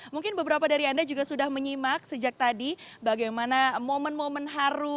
mungkin beberapa dari anda juga sudah menyimak sejak tadi bagaimana momen momen haru